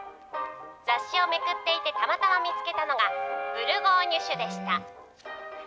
雑誌をめくっていて、たまたま見つけたのが、ブルゴーニュ種でした。